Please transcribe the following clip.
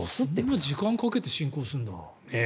そんなに時間をかけて進行するんだ。